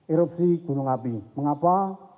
erupsi gunung api mengapa